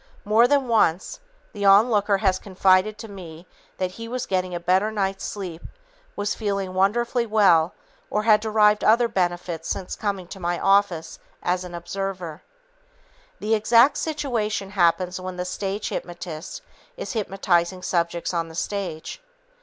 More than once, the onlooker has confided to me that he was getting a better night's sleep, was feeling wonderfully well or had derived other benefits since coming to my office as an "observer." The exact situation happens when the stage hypnotist is hypnotizing subjects on the stage.